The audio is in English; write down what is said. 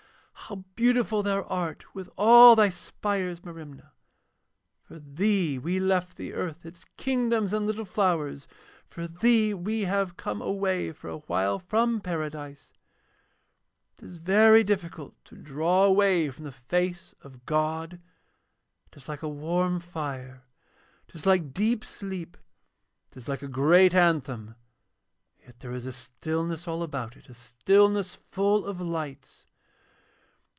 'How beautiful thou art with all thy spires, Merimna. For thee we left the earth, its kingdoms and little flowers, for thee we have come away for awhile from Paradise. 'It is very difficult to draw away from the face of God it is like a warm fire, it is like dear sleep, it is like a great anthem, yet there is a stillness all about it, a stillness full of lights.